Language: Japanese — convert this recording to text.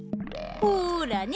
ほらね。